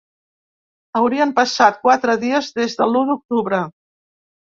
Haurien passat quatre dies des de l’u d’octubre.